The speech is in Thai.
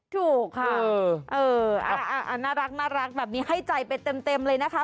ถูกค่ะน่ารักแบบนี้ให้ใจไปเต็มเลยนะคะ